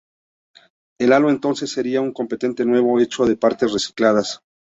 El halo entonces sería un componente "nuevo" hecho de partes "recicladas".